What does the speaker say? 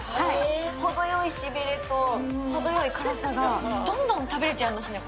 ほどよいシビれと、ほどよい辛さが、どんどん食べれちゃうんですね。